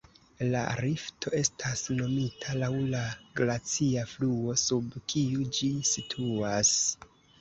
La rifto estas nomita laŭ la glacia fluo sub kiu ĝi situas.